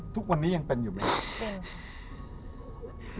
ทุกวันนี้ยังเป็นอยู่มั้ย